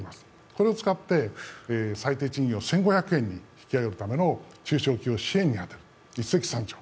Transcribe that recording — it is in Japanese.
これを使って最低賃金を１５００円に引き上げるための中小企業支援にあたる、一石三鳥。